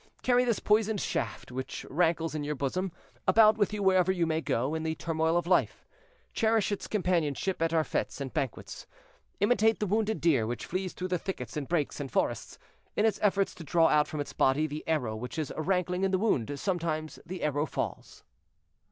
Carry this poisoned shaft, which rankles in your bosom, about with you wherever you may go, in the turmoil of life; cherish its companionship at our fetes and banquets; imitate the wounded deer, which flees through the thickets and brakes and forests, in its efforts to draw out from its body the arrow which is rankling in the wound; sometimes the arrow falls."